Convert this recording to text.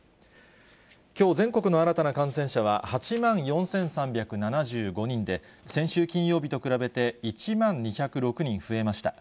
きょう、全国の新たな感染者は８万４３７５人で、先週金曜日と比べて１万２０６人増えました。